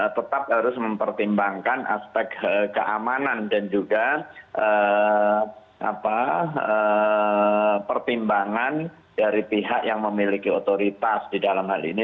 tetap harus mempertimbangkan aspek keamanan dan juga pertimbangan dari pihak yang memiliki otoritas di dalam hal ini